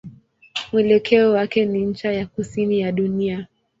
Mwelekeo wake ni ncha ya kusini ya dunia.